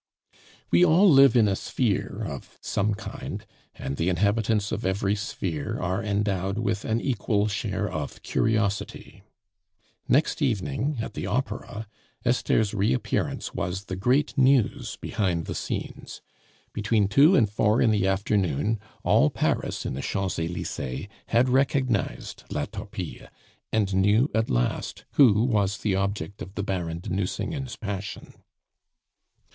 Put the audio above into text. We all live in a sphere of some kind, and the inhabitants of every sphere are endowed with an equal share of curiosity. Next evening at the opera, Esther's reappearance was the great news behind the scenes. Between two and four in the afternoon all Paris in the Champs Elysees had recognized La Torpille, and knew at last who was the object of the Baron de Nucingen's passion.